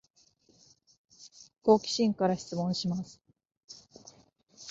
好奇心から質問します